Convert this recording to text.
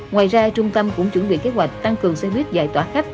ngoài ra trung tâm cũng chuẩn bị kế hoạch tăng cường xe buýt giải tỏa khách